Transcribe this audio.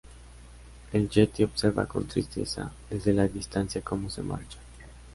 El Yeti observa con tristeza desde la distancia cómo se marchan.